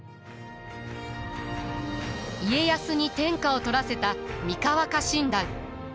家康に天下を取らせた三河家臣団。